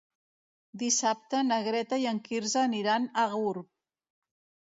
Dissabte na Greta i en Quirze aniran a Gurb.